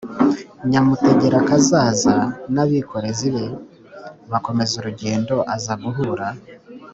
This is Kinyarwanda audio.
nyamutegerakazaza, n'abikorezi be bakomeza urugendo. aza guhura